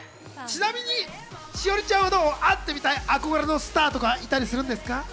ちなみに栞里ちゃんは会ってみたい憧れのスターとか、いたりするんですか？